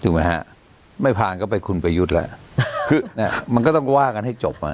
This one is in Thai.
ถูกมั้ยฮะไม่ผ่านก็ไปคุณประยุทธ์แล้วมันก็ต้องว่ากันให้จบ